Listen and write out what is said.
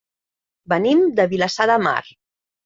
Venim de Vilassar de Mar.